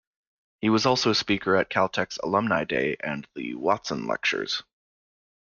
He was also a speaker at Caltech's Alumni Day and the Watson Lectures.